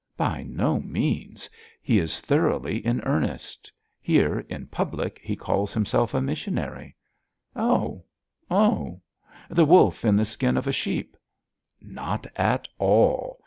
'By no means. He is thoroughly in earnest. Here, in public, he calls himself a missionary.' 'Oh! oh! the wolf in the skin of a sheep!' 'Not at all.